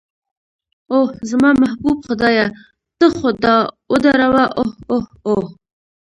اوه، زما محبوب خدایه ته خو دا ودروه، اوه اوه اوه.